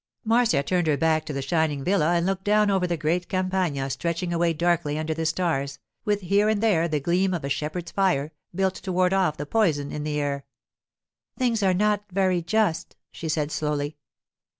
Marcia turned her back to the shining villa and looked down over the great Campagna stretching away darkly under the stars, with here and there the gleam of a shepherd's fire, built to ward off the poison in the air. 'Things are not very just,' she said slowly.